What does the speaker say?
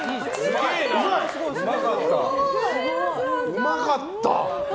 うまかった。